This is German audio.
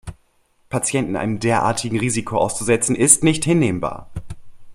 Patienten einem derartigen Risiko auszusetzen, ist nicht hinnehmbar!